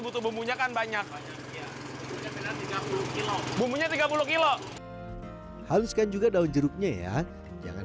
butuh bumbunya kan banyak ya mumpunya tiga puluh kilo haluskan juga daun jeruknya ya jangan